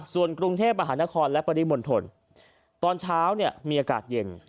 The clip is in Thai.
ส่วนกรุงเทพมหานครและปริมณฑลตอนเช้ามีอากาศเย็น